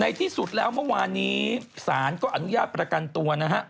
ที่สุดแล้วเมื่อวานนี้ศาลก็อนุญาตประกันตัวนะฮะ